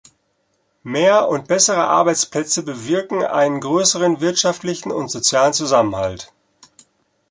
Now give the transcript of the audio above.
Mehr und bessere Arbeitsplätze bewirken einen größeren wirtschaftlichen und sozialen Zusammenhalt.